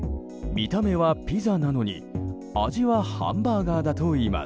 見た目はピザなのに味はハンバーガーだといいます。